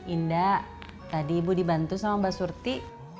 indah tadi ibu dibantu sama mbak surti